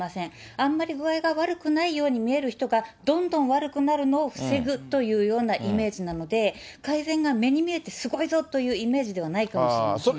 あんまり具合が悪くないように見える人がどんどん悪くなるのを防ぐというようなイメージなので、改善が目に見えてすごいぞというイメージではないかもしれません。